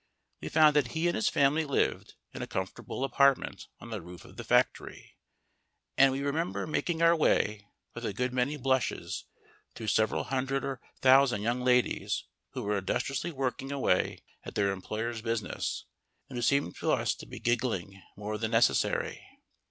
We found that he and his family lived in a comfortable apartment on the roof of the factory, and we remember making our way, with a good many blushes, through several hundred or thousand young ladies who were industriously working away at their employer's business and who seemed to us to be giggling more than necessary.